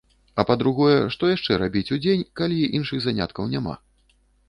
А па-другое, што яшчэ рабіць удзень, калі іншых заняткаў няма?